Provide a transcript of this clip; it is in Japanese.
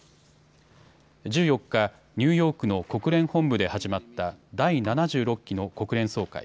１４日、ニューヨークの国連本部で始まった第７６期の国連総会。